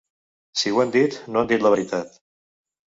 Si ho han dit, no han dit la veritat.